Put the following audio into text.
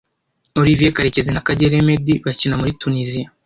Olivier Karekezi na Kagere Meddie bakina muri Tunisia